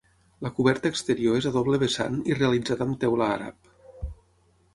La coberta exterior és a doble vessant i realitzada amb teula àrab.